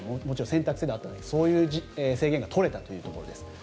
もちろん選択制でしたがそういう制限が取れたということです。